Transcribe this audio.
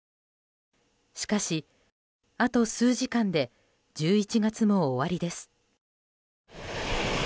しかし、あと数時間で１１月も終わりです。